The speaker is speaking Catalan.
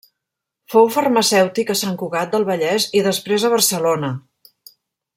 Fou farmacèutic a Sant Cugat del Vallès i després a Barcelona.